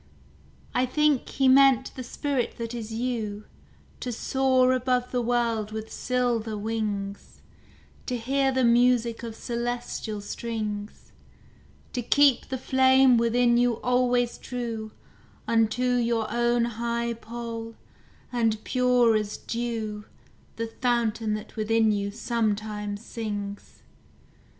I think He meant the spirit that is you To soar above the world with silver wings; To hear the music of celestial strings; To keep the flame within you always true Unto your own high pole; and pure as dew The fountain that within you sometimes sings.